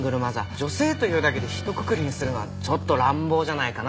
女性というだけでひとくくりにするのはちょっと乱暴じゃないかな。